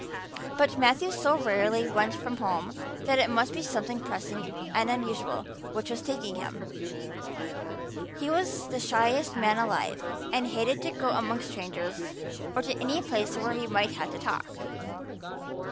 But Matthew so rarely went from home that it must be something pressing and unusual which was taking him; he was the shyest man alive and hated to have to go among strangers or to any place where he might have to talk.